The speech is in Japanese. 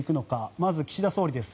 まず、岸田総理です。